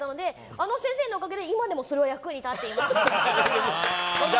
あの先生のおかげで今でもそれは役に立っています。